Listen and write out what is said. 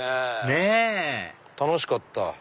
ねぇ楽しかった。